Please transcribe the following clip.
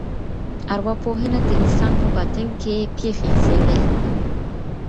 ارواپوهنه د انسان په باطن کي پېښي څېړي.